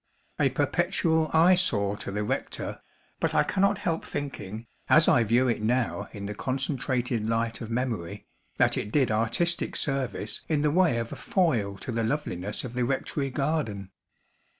A perpetual eyesore to the rector; but I cannot help thinking, as I view it now in the concentrated light of memory, that it did artistic service in the way of a foil to the loveliness of the rectory garden.